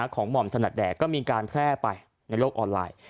หม่อมถนัดแด่ก็มีการแพร่ไปในโลกออนไลน์